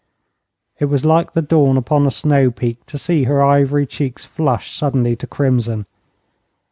It was like the dawn upon a snow peak to see her ivory cheeks flush suddenly to crimson.